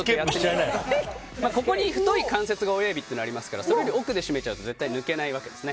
ここに太い関節が親指ってありますからそれより奥で閉めちゃうと絶対に抜けないわけですね。